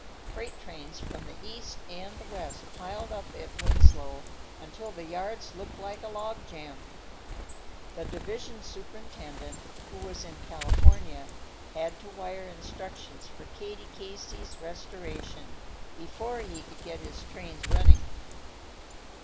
Freight trains from the east and the west piled up at Winslow until the yards looked like a log jam. The division superintendent, who was in California, had to wire instructions for Katie Casey's restoration before he could get his trains running.